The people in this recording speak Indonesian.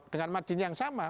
dengan margin yang sama